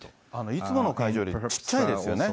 いつもの会場よりちっちゃいですよね。